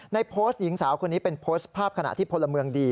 โพสต์หญิงสาวคนนี้เป็นโพสต์ภาพขณะที่พลเมืองดี